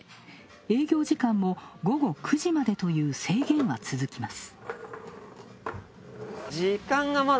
営業時間も午後９時までという制限は続きます。